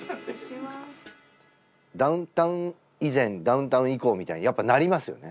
ダウンタウン以前ダウンタウン以降みたいにやっぱなりますよね